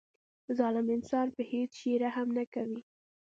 ظالم انسان په هیڅ شي رحم نه کوي.